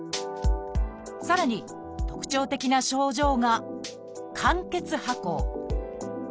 さらに特徴的な症状が「間欠跛行」。